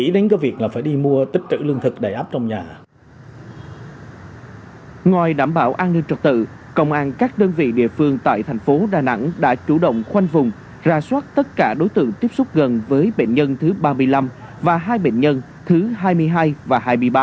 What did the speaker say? ngoài đảm bảo an ninh trật tự công an các đơn vị địa phương tại thành phố đà nẵng đã chủ động khoanh vùng ra soát tất cả đối tượng tiếp xúc gần với bệnh nhân thứ ba mươi năm và hai bệnh nhân thứ hai mươi hai và hai mươi ba